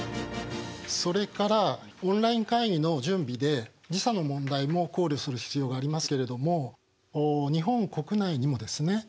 それからオンライン会議の準備で時差の問題も考慮する必要がありますけれども日本国内にもですね